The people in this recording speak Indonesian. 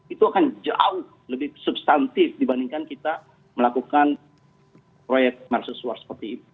itu akan jauh lebih substantif dibandingkan kita melakukan proyek narsesuar seperti ini